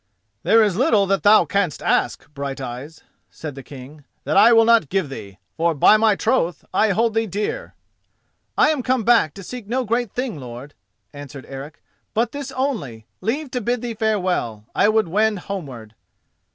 "There is little that thou canst ask, Brighteyes," said the King, "that I will not give thee, for, by my troth, I hold thee dear." "I am come back to seek no great thing, lord," answered Eric, "but this only: leave to bid thee farewell. I would wend homeward."